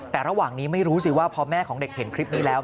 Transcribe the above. แต่ระหว่างนี้ไม่รู้สิว่าพอแม่ของเด็กเห็นคลิปนี้แล้ว